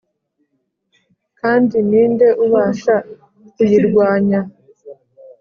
kandi ni nde ubasha kuyirwanya?